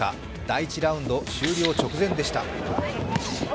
第１ラウンド終了直前でした。